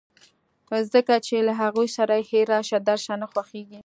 ځکه چې له هغوی سره یې راشه درشه نه خوښېږي